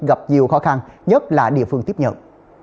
gặp nhiều khó khăn nhất là địa phương tiếp nhận